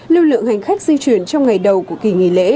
lưu lượng hành khách di chuyển trong ngày đầu của kỳ nghỉ lễ